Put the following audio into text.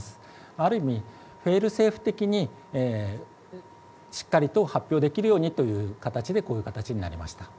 ある意味、フェイルセーフ的にしっかりと発表できるようにという形でこういう形になりました。